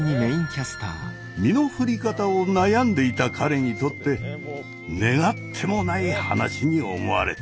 身の振り方を悩んでいた彼にとって願ってもない話に思われた。